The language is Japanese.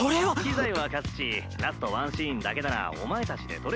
機材は貸すしラスト１シーンだけならお前たちで撮れるだろ？